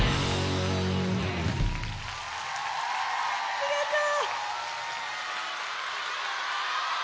ありがとう！